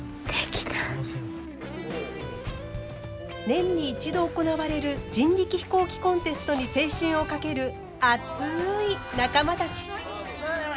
年に一度行われる人力飛行機コンテストに青春を懸ける熱い仲間たち。